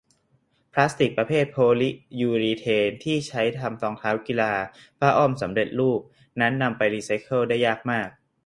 พลาสติกประเภทโพลิยูรีเทนที่ใช้ทำรองเท้ากีฬา ผ้าอ้อมสำเร็จรูป นั้นนำไปรีไซเคิลได้ยากมาก